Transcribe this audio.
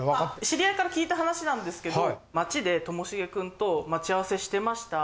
知り合いから聞いた話なんですけど街でともしげ君と待ち合わせしてました。